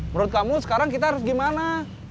menurut kamu sekarang kita harus gimana